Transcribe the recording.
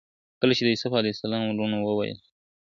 کله چي د يوسف عليه السلام وروڼو وويل.